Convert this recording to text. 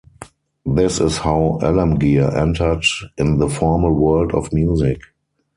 This is how Alamgir entered in the formal world of music.